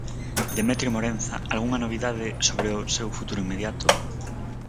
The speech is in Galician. Demetrio Morenza, algunha novidade sobre o seu futuro inmediato?